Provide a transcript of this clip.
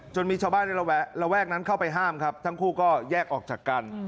มีชาวบ้านในระแวกนั้นเข้าไปห้ามครับทั้งคู่ก็แยกออกจากกัน